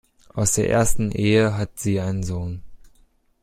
Aus der ersten Ehe hat sie einen Sohn.